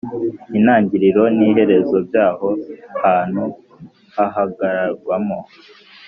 Intangiriro n'iherezo by'aho hantu hahagararwamo